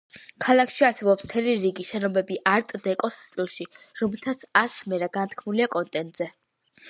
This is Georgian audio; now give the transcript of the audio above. ქალაქში არსებობს მთელი რიგი შენობები არტ-დეკოს სტილში, რომლითაც ასმერა განთქმულია კონტინენტზე.